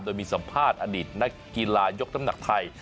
โดยมีสัมภาษณ์อดีตนักกีฬายกน้ำหนักไทย